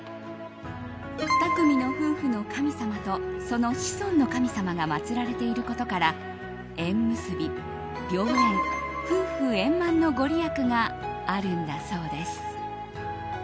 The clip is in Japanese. ２組の夫婦の神様と、その子孫の神様が祭られていることから縁結び・良縁・夫婦円満のご利益があるんだそうです。